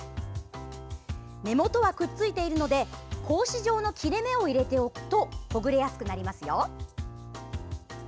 根元はくっついているので格子状の切れ目を入れておくとほぐれやすくなりますよ。